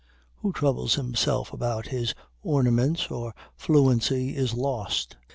Who troubles himself about his ornaments or fluency is lost.